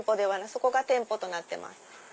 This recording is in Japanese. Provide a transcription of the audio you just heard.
そこが店舗となってます。